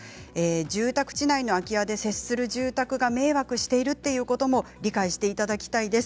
住宅地内の空き家で接する住宅が迷惑していることも理解していただきたいです。